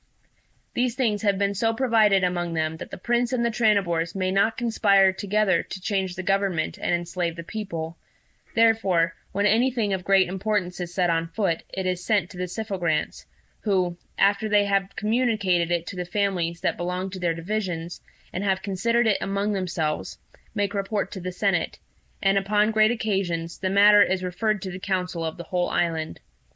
"These things have been so provided among them that the Prince and the Tranibors may not conspire together to change the government and enslave the people; and therefore when anything of great importance is set on foot, it is sent to the Syphogrants, who, after they have communicated it to the families that belong to their divisions, and have considered it among themselves, make report to the senate; and, upon great occasions, the matter is referred to the council of the whole island.